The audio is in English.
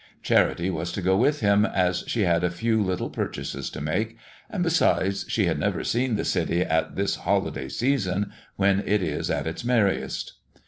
Charity was to go with him, as she had a few little purchases to make; and besides, she had never seen the city at this "holiday season," when it is at its merriest.